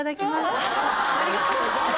ありがとうございます。